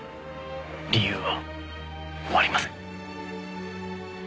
理由はありません。